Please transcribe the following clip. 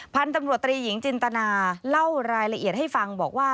พันธุ์ตำรวจตรีหญิงจินตนาเล่ารายละเอียดให้ฟังบอกว่า